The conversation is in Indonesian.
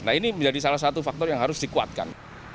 nah ini menjadi salah satu faktor yang harus dikuatkan